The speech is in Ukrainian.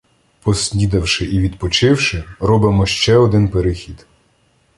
Поснідавши і відпочивши, робимо ще один перехід.